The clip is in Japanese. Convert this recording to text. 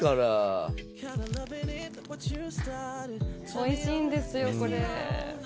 おいしいんですよこれ。